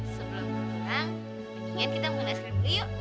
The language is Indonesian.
sebelum berdurang ingin kita mengendalikan skrim ini yuk